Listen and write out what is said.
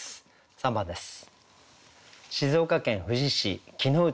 ３番です。